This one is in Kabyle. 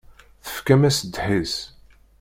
Tefkam-as ddḥis.